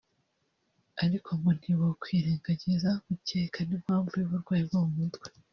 ariko ngo ntibokwirengagiza gukeka n'impamvu y'uburwayi bwo mumutwe